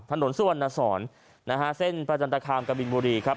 ถนนสุวรรณสอนนะฮะเส้นประจันตคามกบินบุรีครับ